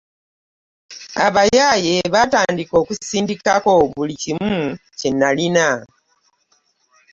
Abayaaye baatandika okunsikako buli kimu kye nalina!